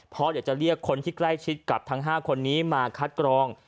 เพราะเดี๋ยวจะเรียกคนที่ใกล้ชิดกับทั้ง๕คนนี้มาคัดกรอง